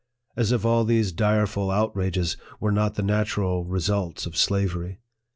As if all these direful outrages were not the natural results of slavery !